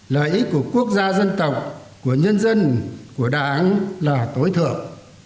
lợi ích của quốc gia dân tộc của nhân dân của đảng là tối thượng